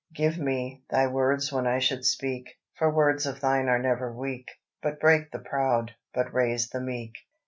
"Give me Thy words when I should speak, For words of Thine are never weak, But break the proud, but raise the meek.